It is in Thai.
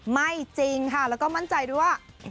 ไม่จริงค่ะแล้วก็มั่นใจด้วยว่า